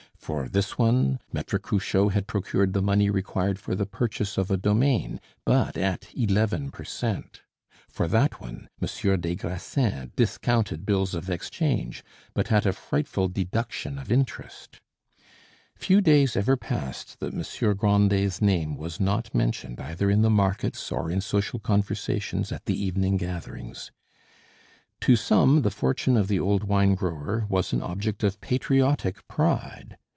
For this one, Maitre Cruchot had procured the money required for the purchase of a domain, but at eleven per cent. For that one, Monsieur des Grassins discounted bills of exchange, but at a frightful deduction of interest. Few days ever passed that Monsieur Grandet's name was not mentioned either in the markets or in social conversations at the evening gatherings. To some the fortune of the old wine grower was an object of patriotic pride.